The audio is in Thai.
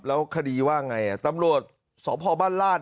แล้วคดีว่าไงอ่ะตำรวจสพบ้านลาศเนี่ย